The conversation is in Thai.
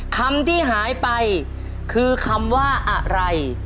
คำที่หายไปคือคำว่าอะไร